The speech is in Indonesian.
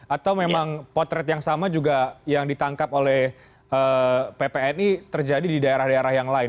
atau memang potret yang sama juga yang ditangkap oleh ppni terjadi di daerah daerah yang lain